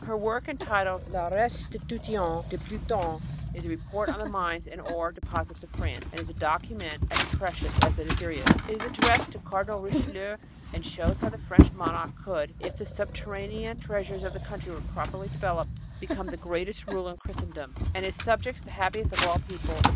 Her work entitled La Restitution de Pluton is a report on the mines and ore deposits of France, and is a document as precious as it is curious. It was addressed to Cardinal Richelieu, and shows how the French monarch could, if the subterranean treasures of the country were properly developed, become the greatest ruler in Christendom and his subjects the happiest of all peoples.